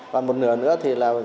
và một nửa nữa thì là